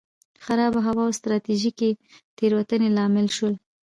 خرابه هوا او ستراتیژیکې تېروتنې لامل شول.